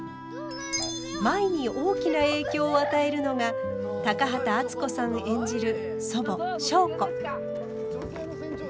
舞に大きな影響を与えるのが高畑淳子さん演じる祖母祥子。